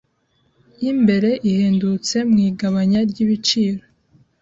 y'imbere ihendutse mu igabanya ry'ibiciro.